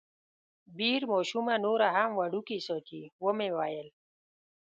بیر ماشومه نوره هم وړوکې ساتي، ومې ویل.